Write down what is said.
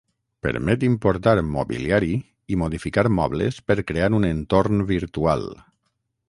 Permet importar mobiliari i modificar mobles per crear un entorn virtual.